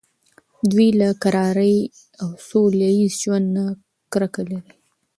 دوی له کرارۍ او سوله ایز ژوند نه کرکه لري.